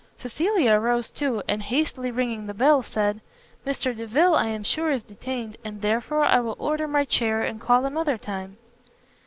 Cecilia arose too, and hastily ringing the bell, said, "Mr Delvile I am sure is detained, and therefore I will order my chair, and call another time."